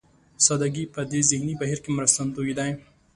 سادهګي په دې ذهني بهير کې مرستندوی دی.